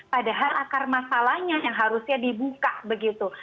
padahal akar masalahnya yang harusnya dibuka begitu